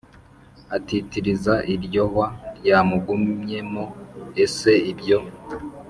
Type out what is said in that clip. Atitiriza iryo hwa ryamugumyemo ese ibyo